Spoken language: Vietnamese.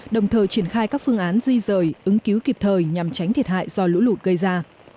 đồng thời triển khai các phương án di rời ứng cứu kịp thời nhằm tránh thiệt hại do lũ lụt gây ra